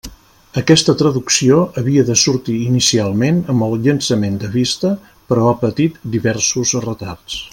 Aquesta traducció havia de sortir inicialment amb el llançament de Vista però ha patit diversos retards.